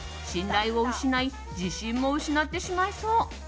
信頼を失い自信も失ってしまいそう。